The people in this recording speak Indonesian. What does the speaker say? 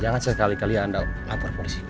jangan sekali kali anda melakukan kondisi